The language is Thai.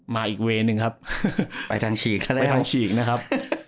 มาอีกเวนหนึ่งครับไปทางฉีกนะครับ